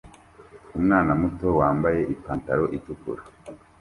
Umwana muto wambaye ipantaro itukura